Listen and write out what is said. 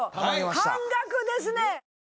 半額ですね！